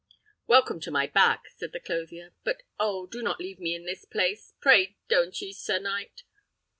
"Welcome to my back," said the clothier: "but, oh! do not leave me in this place; pray don't ye, sir knight!"